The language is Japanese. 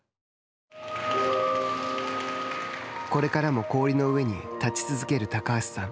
これからも氷の上に立ち続ける高橋さん。